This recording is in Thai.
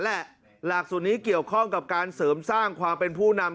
หลักสูตรนี้เกี่ยวข้องกับการเสริมสร้างความเป็นผู้นำ